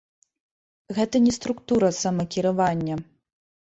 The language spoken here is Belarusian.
Гэта не структура самакіравання.